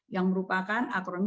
yang merupakan akronim dan teknologi